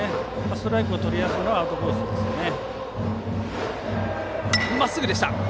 ストライクをとりやすいのはアウトコースですよね。